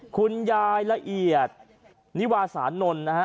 คุณยายละเอียดนิวาสานนท์นะฮะ